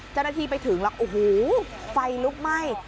เจ้าหน้าที่ไปถึงแล้วโอ้โหไฟลุกไหม้